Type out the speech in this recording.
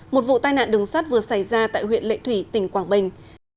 một vụ tai nạn đường sắt vừa xảy ra tại huyện lệ thủy tỉnh quảng bình